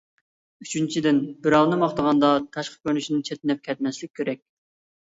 ئۈچىنچىدىن، بىراۋنى ماختىغاندا تاشقى كۆرۈنۈشىدىن چەتنەپ كەتمەسلىك كېرەك.